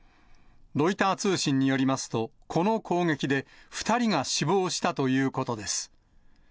ロイター通信によりますと、この攻撃で２人が死亡したということです。